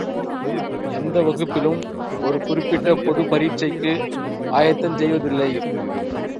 எந்த வகுப்பிலும் ஒரு குறிப்பிட்ட பொதுப் பரீட்சைக்கு ஆயத்தஞ் செய்வதில்லை.